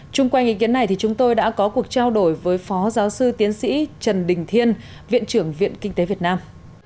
trung quanh ý kiến này chúng tôi đã có cuộc trao đổi với phó giáo sư tiến sĩ trần đình thiên viện trưởng viện kinh tế việt nam